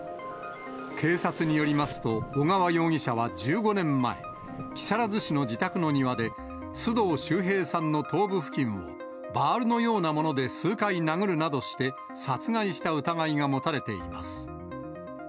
警察によりますと、小川容疑者は１５年前、木更津市の自宅の庭で、須藤秀平さんの頭部付近をバールのようなもので数回殴るなどして殺害した疑いが持たれています。